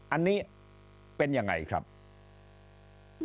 อันนี้เป็นยังไงครับ